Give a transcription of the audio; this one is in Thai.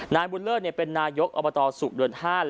นายบุญเลิศเนี่ยเป็นนายกอบตศุกร์เดือนห้าน